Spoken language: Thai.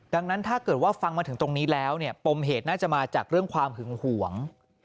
ดังนั้นถ้าเกิดว่าฟังมาถึงตรงนี้แล้วเนี่ยปมเหตุน่าจะมาจากเรื่องความหึงหวง